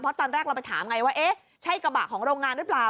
เพราะตอนแรกเราไปถามไงว่าเอ๊ะใช่กระบะของโรงงานหรือเปล่า